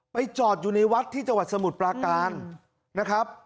จอดอยู่ในวัดที่จังหวัดสมุทรปราการนะครับ